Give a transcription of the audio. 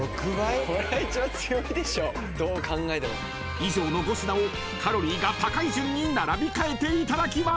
［以上の５品をカロリーが高い順に並び替えていただきます］